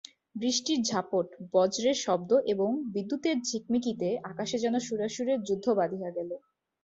বৃষ্টির ঝাপট, বজ্রের শব্দ এবং বিদ্যুতের ঝিকমিকিতে আকাশে যেন সুরাসুরের যুদ্ধ বাধিয়া গেল।